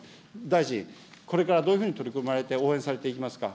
大臣、これからどういうふうに取り組まれて、応援されていきますか。